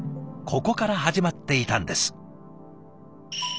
ここから始まっていたんです。